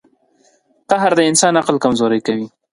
• قهر د انسان عقل کمزوری کوي.